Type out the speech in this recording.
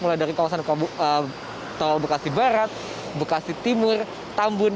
mulai dari kawasan tol bekasi barat bekasi timur tambun